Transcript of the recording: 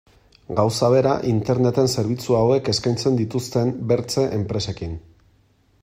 Gauza bera Interneten zerbitzu hauek eskaintzen dituzten beste enpresekin.